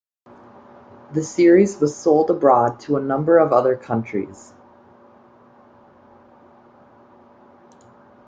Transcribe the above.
The series was sold abroad to a number of other countries.